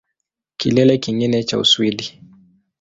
Kilele kingine cha Uswidi